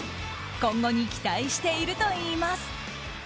今後に期待しているといいます。